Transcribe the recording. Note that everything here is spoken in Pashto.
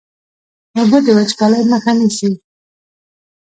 اوبه د وچکالۍ مخه نیسي.